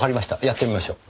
やってみましょう。